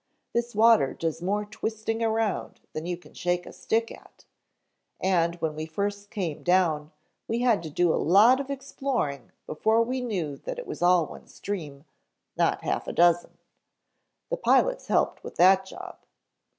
This water does more twisting around than you can shake a stick at, and when we first came down we had to do a lot of exploring before we knew that it was all one stream, not half a dozen. The pilots helped with that job.